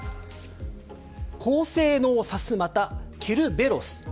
高性能さすまたケルベロス。